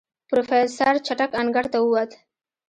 پروفيسر چټک انګړ ته ووت.